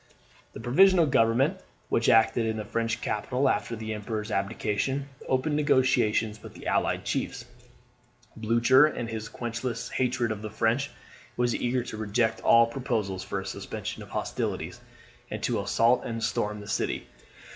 The Provisional Government, which acted in the French capital after the Emperor's abdication, opened negotiations with the allied chiefs. Blucher, in his quenchless hatred of the French, was eager to reject all proposals for a suspension of hostilities, and to assault and storm the city.